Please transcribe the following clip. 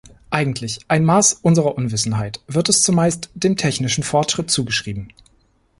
Eigentlich ein „Maß unserer Unwissenheit“, wird es zumeist dem technischem Fortschritt zugeschrieben.